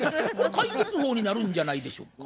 解決法になるんじゃないでしょうか？